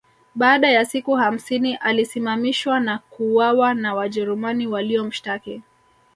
Baada ya siku hamsini alisimamishwa na kuuawa na Wajerumani waliomshtaki